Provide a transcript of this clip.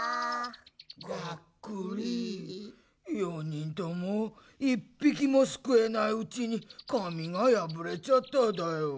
４にんとも１ぴきもすくえないうちにかみがやぶれちゃっただよ。